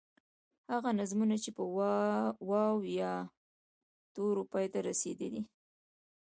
هغه نظمونه چې په واو، یا تورو پای ته رسیږي.